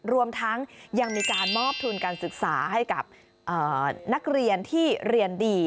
รวมทั้งยังมีการมอบทุนการศึกษาให้กับนักเรียนที่เรียนดี